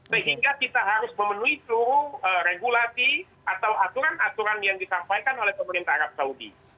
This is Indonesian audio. sehingga kita harus memenuhi seluruh regulasi atau aturan aturan yang disampaikan oleh pemerintah arab saudi